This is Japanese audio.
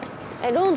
ローン？